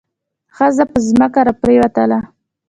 ښځه په ځمکه را پریوتله.